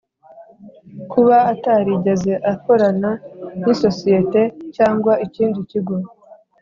kuba atarigeze akorana n’isosiyete cyangwa ikindi kigo,